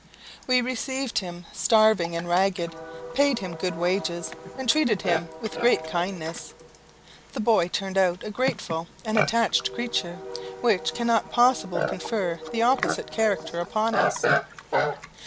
We received him starving and ragged, paid him good wages, and treated him with great kindness. The boy turned out a grateful and attached creature, which cannot possible confer the opposite character upon us.